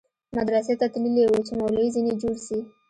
مدرسې ته تللى و چې مولوى ځنې جوړ سي.